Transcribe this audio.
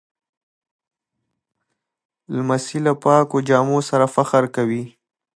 لمسی له پاکو جامو سره فخر کوي.